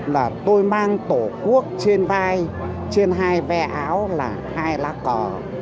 là tôi mang tổ quốc trên vai trên hai ve áo là hai lá cờ